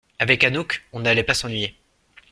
Avec Anouk, on n’allait pas s’ennuyer!